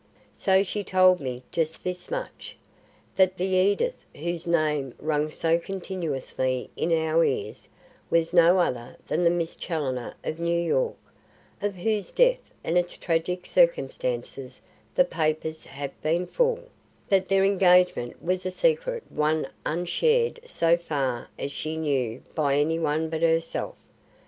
So she told me just this much. That the Edith whose name rung so continuously in our ears was no other than the Miss Challoner of New York of whose death and its tragic circumstances the papers have been full; that their engagement was a secret one unshared so far as she knew by any one but herself.